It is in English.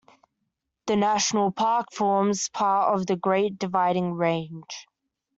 The national park forms part of the Great Dividing Range.